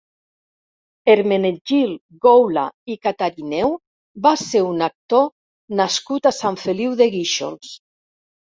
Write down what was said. Hermenegild Goula i Catarineu va ser un actor nascut a Sant Feliu de Guíxols.